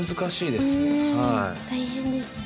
大変ですね。